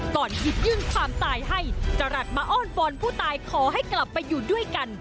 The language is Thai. หยิบยื่นความตายให้จรัสมาอ้อนวอนผู้ตายขอให้กลับไปอยู่ด้วยกัน